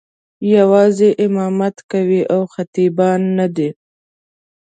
یوازې امامت کوي او خطیبان نه دي.